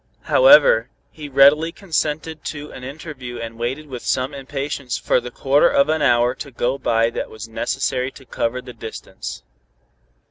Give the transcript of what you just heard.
However, he readily consented to an interview and waited with some impatience for the quarter of an hour to go by that was necessary to cover the distance.